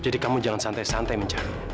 jadi kamu jangan santai santai mencari